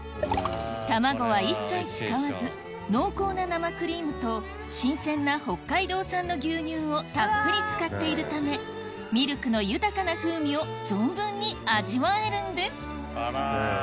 卵は一切使わず濃厚な生クリームと新鮮な北海道産の牛乳をたっぷり使っているためミルクの豊かな風味を存分に味わえるんですあら。